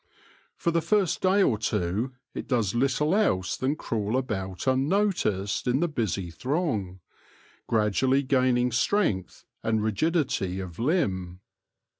For the first day or two it does little else than crawl about unnoticed in the busy throng, gradually gaining strength and rigidity of limb.